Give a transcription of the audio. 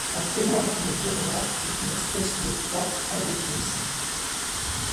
Un témoin qui ne dit rien est une espèce de poids indéfinissable.